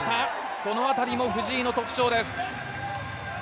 このあたりも藤井の特徴です。